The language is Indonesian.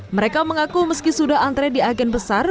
mereka mengaku meski sudah antre di agen besar